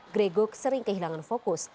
gregor sering kehilangan fokus